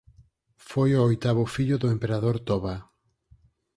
Foi o oitavo fillo do Emperador Toba.